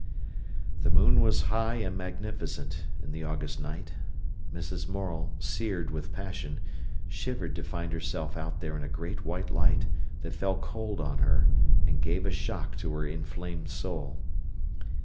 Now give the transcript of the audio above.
The moon was high and magnificent in the August night. Mrs. Morel, seared with passion, shivered to find herself out there in a great white light, that fell cold on her, and gave a shock to her inflamed soul.